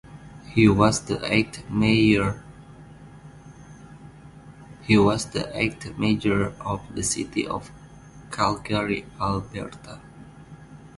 He was the eighth mayor of the city of Calgary, Alberta.